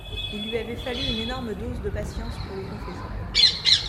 Il lui avait fallu une énorme dose de patience pour le confesser